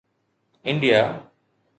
India